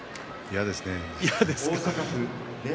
嫌ですね。